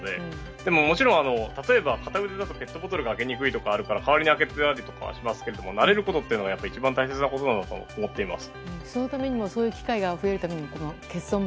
でも例えば片腕だとペットボトルが開けにくいから代わりに開けたりとかしますが慣れることが一番大切なことかなと思っています。